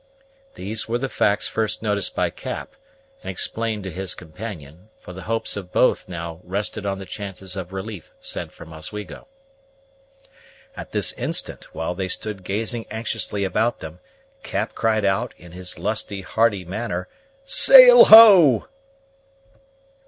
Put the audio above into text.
These were the facts first noticed by Cap, and explained to his companion; for the hopes of both now rested on the chances of relief sent from Oswego. At this instant, while they stood gazing anxiously about them, Cap cried out, in his lusty, hearty manner, "Sail, ho!"